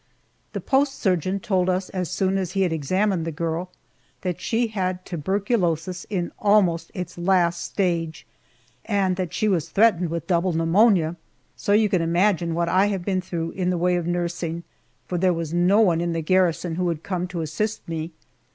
The post surgeon told us as soon as he had examined the girl that she had tuberculosis in almost its last stage, and that she was threatened with double pneumonia! So you can imagine what I have been through in the way of nursing, for there was no one in the garrison who would come to assist me.